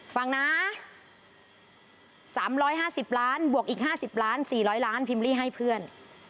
ฟังนะ๓๕๐ล้านบวกอีก๕๐ล้าน๔๐๐ล้านพิมพ์ลี่ให้เพื่อน